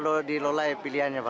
kenapa dilolai pilihannya pak